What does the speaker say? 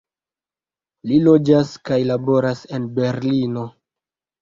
Li loĝas kaj laboras en Berlino.